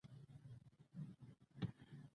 دوه اړخیزه اقتصادي ډیپلوماسي یوه لویه او مهمه برخه ده